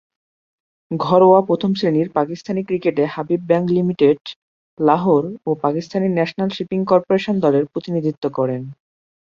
ঘরোয়া প্রথম-শ্রেণীর পাকিস্তানি ক্রিকেটে হাবিব ব্যাংক লিমিটেড, লাহোর ও পাকিস্তান ন্যাশনাল শিপিং কর্পোরেশন দলের প্রতিনিধিত্ব করেন।